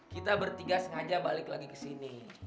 kita bertiga sengaja balik lagi ke sini